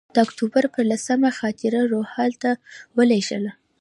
د اکتوبر پر لسمه خاطره روهیال ته ولېږله.